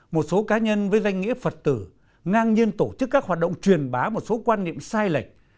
một số cá nhân với danh nghĩa phật tử ngang nhiên tổ chức các hoạt động truyền bá một số quan niệm sai lệch